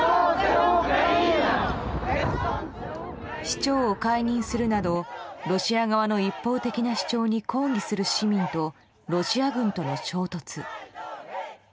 市長を解任するなどロシア側の一方的な主張に抗議する市民とロシア軍との衝突。